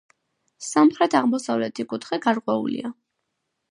სამხრეთ-აღმოსავლეთი კუთხე გარღვეულია.